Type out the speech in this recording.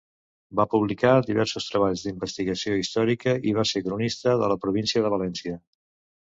Va publicar diversos treballs d'investigació històrica i va ser cronista de la Província de València.